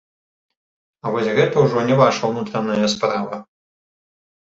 А вось гэта ўжо не ваша ўнутраная справа.